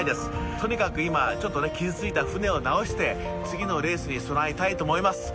とにかく今はちょっとね傷ついた船を直して次のレースに備えたいと思います。